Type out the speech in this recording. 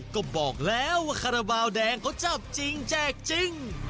ก็บอกแล้วว่าคาราบาลแดงเขาจับจริงแจกจริง